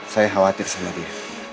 saya khawatir sebelah dia